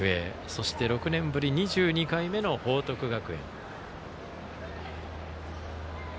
そして、６年ぶり２２回目の報徳学園。